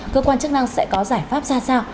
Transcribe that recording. cơ quan chức năng sẽ có giải pháp ra sao